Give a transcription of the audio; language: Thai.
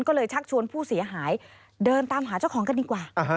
ก็เลยชักชวนผู้เสียหายเดินตามหาเจ้าของกันดีกว่า